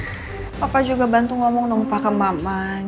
papa juga bantu ngomong dong pa ke maman